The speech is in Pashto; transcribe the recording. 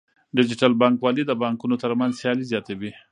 ډیجیټل بانکوالي د بانکونو ترمنځ سیالي زیاتوي.